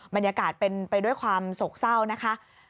บรรยากาศเป็นไปด้วยความโศกเศร้านะคะ